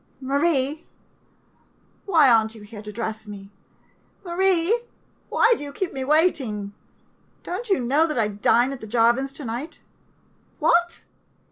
] Marie — why are n't you here to dress me, Marie? Why do you keep me waiting? Don't you know that I dine at the Jarvin's to night? What?